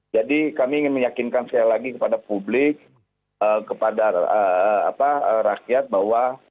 jadi kami ingin meyakinkan sekali lagi kepada publik kepada rakyat bahwa